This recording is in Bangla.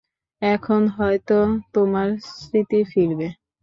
এখন হয়ত, তোমার স্মৃতি ফিরবে।